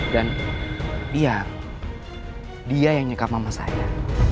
dan dia dia yang nyekap mama saya